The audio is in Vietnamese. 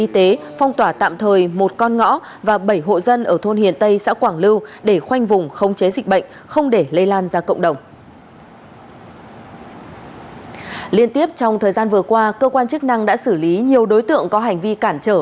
liên tiếp trong thời gian vừa qua cơ quan chức năng đã xử lý nhiều đối tượng có hành vi cản trở